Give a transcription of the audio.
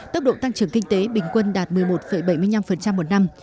tốc độ tăng trưởng kinh tế bình quân đạt một mươi một bảy mươi năm một năm